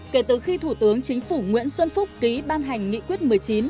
kể từ khi thủ tướng chính phủ nguyễn xuân phúc ký ban hành nghị quyết một mươi chín hai nghìn một mươi sáu